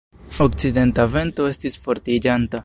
Okcidenta vento estis fortiĝanta.